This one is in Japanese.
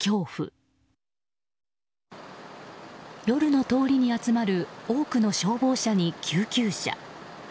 夜の通りに集まる多くの消防車に救急車。